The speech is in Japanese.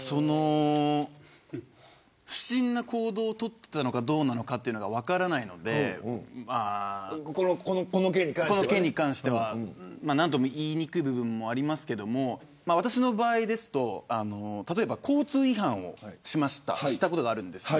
不審な行動を取っていたかどうかは分からないのでこの件に関しては何とも言いにくい部分がありますが私の場合だと例えば、交通違反をしたことがあるんです。